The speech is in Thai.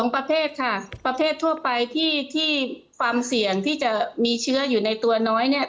ประเภทค่ะประเภททั่วไปที่ความเสี่ยงที่จะมีเชื้ออยู่ในตัวน้อยเนี่ย